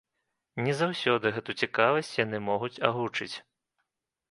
Не заўсёды гэту цікавасць яны могуць агучыць.